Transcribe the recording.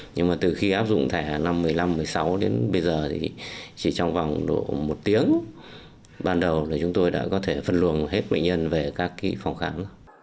nhưng mà từ khi áp dụng thẻ năm một mươi năm một mươi sáu đến bây giờ thì chỉ trong vòng một tiếng ban đầu là chúng tôi đã có thể phân luồng hết bệnh nhân về các phòng khám